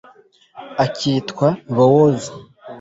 akitwa bowozi